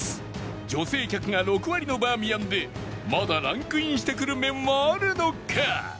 女性客が６割のバーミヤンでまだランクインしてくる麺はあるのか？